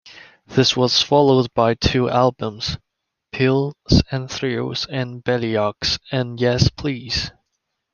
This was followed by two albums, "Pills 'n' Thrills and Bellyaches" and "Yes Please!